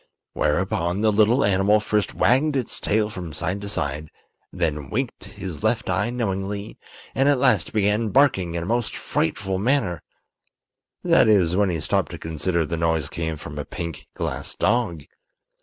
Whereupon the little animal first wagged its tail from side to side, then winked his left eye knowingly, and at last began barking in a most frightful manner—that is, when you stop to consider the noise came from a pink glass dog.